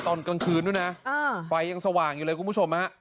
ตอนกลางคืนด้วยนะไฟยังสว่างอยู่เลยคุณผู้ชมฮะ